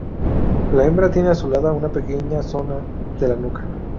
La hembra tiene azulada una pequeña zona de la nuca.